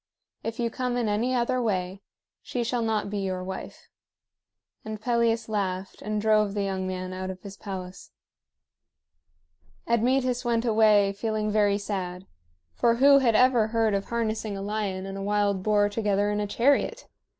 If you come in any other way, she shall not be your wife." And Pelias laughed, and drove the young man out of his palace. Admetus went away feeling very sad; for who had ever heard of harnessing a lion and a wild boar together in a chariot?